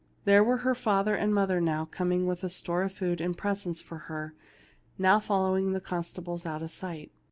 There were her father and mother now coming with store of food and presents for her, now following the constables out of sight.